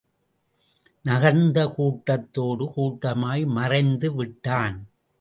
நகர்ந்து கூட்டத்தோடு கூட்டமாய் மறைந்து விட்டான்.